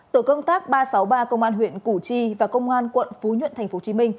tổ công tác ba trăm sáu mươi ba công an huyện củ chi và công an quận phú nhuận tp hcm